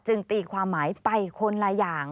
ตีความหมายไปคนละอย่าง